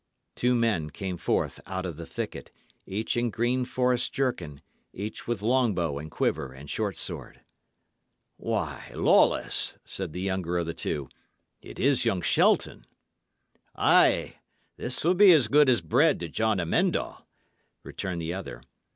Two men came forth out of the thicket, each in green forest jerkin, each with long bow and quiver and short sword. "Why, Lawless," said the younger of the two, "it is young Shelton." "Ay, this will be as good as bread to John Amend All," returned the other.